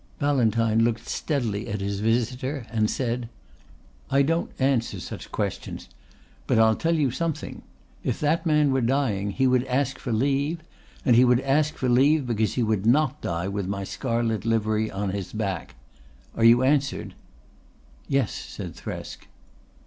Ballantyne looked steadily at his visitor and said: "I don't answer such questions. But I'll tell you something. If that man were dying he would ask for leave. And if he would ask for leave because he would not die with my scarlet livery on his back. Are you answered?" "Yes," said Thresk.